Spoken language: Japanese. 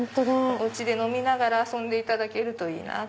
お家で飲みながら遊んでいただけるといいな。